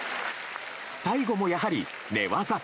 最後もやはり寝技。